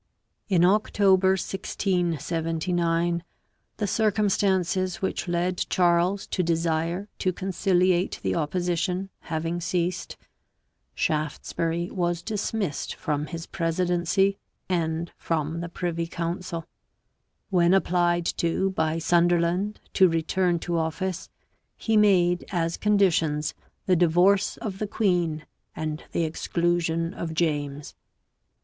In October 1679, the circumstances which led Charles to desire to conciliate the opposition having ceased, Shaftesbury was dismissed from his presidency and from the privy council; when applied to by Sunderland to return to office he made as conditions the divorce of the queen and the exclusion of James.